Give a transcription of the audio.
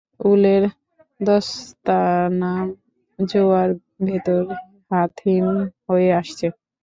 উলের দস্তানা জোড়ার ভেতর হাত হিম হয়ে আসছে।